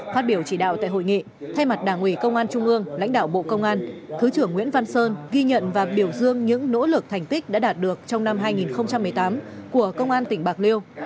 phát biểu chỉ đạo tại hội nghị thay mặt đảng ủy công an trung ương lãnh đạo bộ công an thứ trưởng nguyễn văn sơn ghi nhận và biểu dương những nỗ lực thành tích đã đạt được trong năm hai nghìn một mươi tám của công an tỉnh bạc liêu